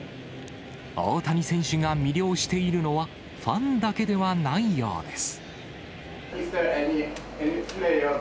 大谷選手が魅了しているのは、ファンだけではないようです。